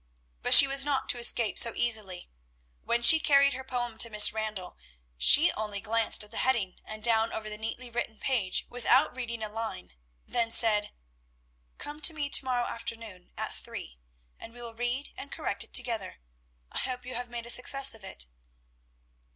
But she was not to escape so easily; when she carried her poem to Miss Randall, she only glanced at the heading and down over the neatly written page, without reading a line, then said, "Come to me to morrow afternoon at three, and we will read and correct it together. I hope you have made a success of it."